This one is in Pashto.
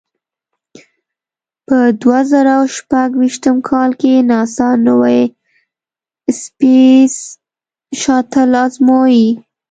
په دوه زره او شپږ ویشتم کال کې ناسا نوې سپېس شاتل ازموي.